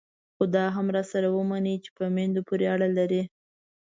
خو دا هم راسره ومنئ چې په میندو پورې اړه لري.